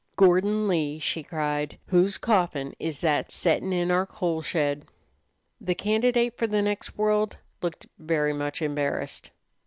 "Gordon Lee," she cried, "whose coffin is that settin' in our coal shed?" The candidate for the next world looked very much embarrassed.